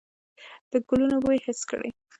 د ګلونو بوی حس کړئ.